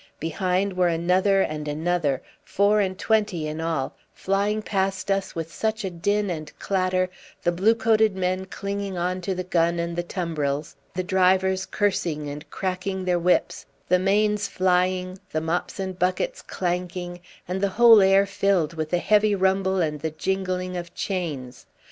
Behind were another, and another, four and twenty in all, flying past us with such a din and clatter, the blue coated men clinging on to the gun and the tumbrils, the drivers cursing and cracking their whips, the manes flying, the mops and buckets clanking, and the whole air filled with the heavy rumble and the jingling of chains.